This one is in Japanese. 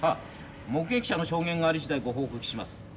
目撃者の証言がありしだいご報告します。